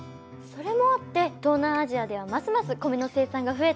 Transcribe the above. それもあって東南アジアではますますコメの生産が増えたんですね。